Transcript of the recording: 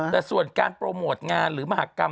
แต่ส่วนการโปรโมทงานหรือมหากรรม